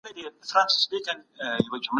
په پوځ کي د احمد شاه بابا دنده څه وه؟